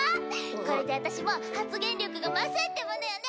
これで私も発言力が増すってものよね！